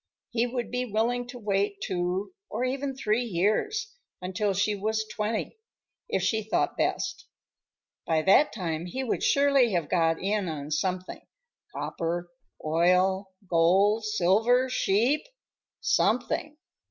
He would be willing to wait two, or even three years, until she was twenty, if she thought best. By that time he would surely have got in on something: copper, oil, gold, silver, sheep,—something.